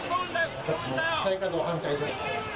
私も再稼働反対です。